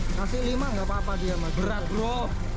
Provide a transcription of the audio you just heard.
kasih lima nggak papa dia berat bro